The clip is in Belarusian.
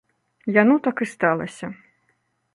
Яно так і сталася.